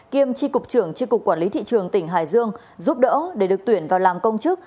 kiêm tri cục trưởng tri cục quản lý thị trường tỉnh hải dương giúp đỡ để được tuyển vào làm công chức